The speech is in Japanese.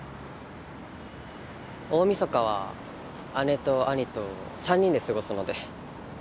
大みそかは姉と兄と３人で過ごすので。